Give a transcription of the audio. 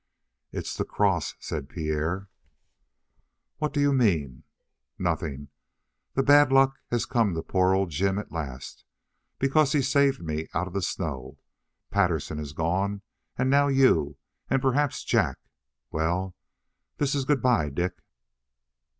"It's the cross," said Pierre. "What do you mean?" "Nothing. The bad luck has come to poor old Jim at last, because he saved me out of the snow. Patterson has gone, and now you, and perhaps Jack well, this is good bye, Dick?"